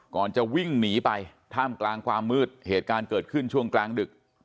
ก่อนจะวิ่งหนีไปท่ามกลางความมืดเหตุการณ์เกิดขึ้นช่วงกลางดึก